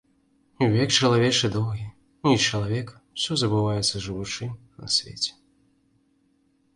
Век чалавечы доўгі, і чалавек усё забываецца, жывучы на свеце.